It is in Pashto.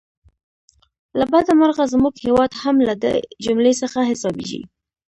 له بده مرغه زموږ هیواد هم له دې جملې څخه حسابېږي.